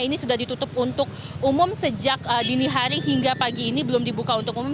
ini sudah ditutup untuk umum sejak dini hari hingga pagi ini belum dibuka untuk umum